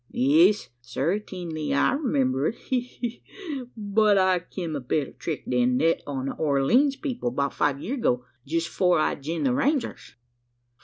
"Yees; certingly I remember it he, he, he! But I kim a better trick then thet on the Orleens people 'bout five yeer ago jest 'fore I jined the Rangers."